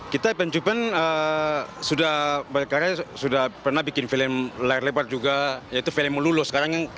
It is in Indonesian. kita evan cupan sudah pernah bikin film layar lebar juga yaitu film melulus